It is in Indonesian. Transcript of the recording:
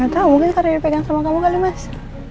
gak tau mungkin karena dipegang sama kamu kali mas